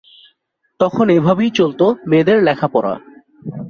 তখন এভাবেই চলত মেয়েদের লেখাপড়া।